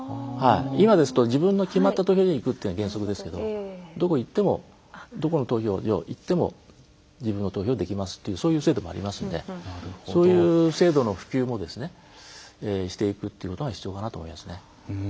今ですと自分の決まった投票所に行くっていうのが原則ですけどどこに行ってもどこの投票所行っても自分の投票ができますというそういう制度もありますのでそういう制度の普及もしていくということが必要かなと思いますね。